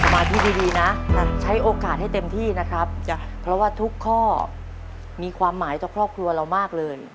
มาที่ดีนะใช้โอกาสให้เต็มที่นะครับเพราะว่าทุกข้อมีความหมายต่อครอบครัวเรามากเลย